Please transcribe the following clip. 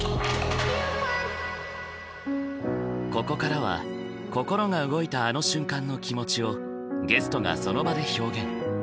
ここからは心が動いたあの瞬間の気持ちをゲストがその場で表現。